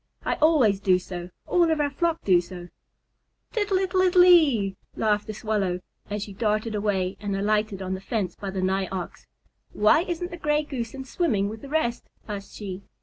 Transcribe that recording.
"I always do so. All of our flock do so." "Tittle ittle ittle ee," laughed the Swallow, as she darted away and alighted on the fence by the Nigh Ox. "Why isn't the Gray Goose in swimming with the rest?" asked she.